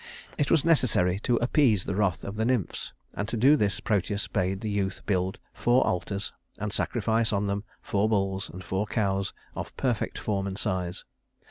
It was necessary to appease the wrath of the nymphs; and to do this Proteus bade the youth build four altars, and sacrifice on them four bulls and four cows of perfect form and size.